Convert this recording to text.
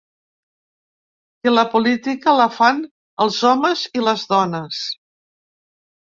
Que la política la fan els homes i les dones.